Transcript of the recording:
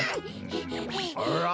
あら。